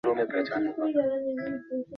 ও আবার কী রকম কথা চক্রবর্তীমশায়?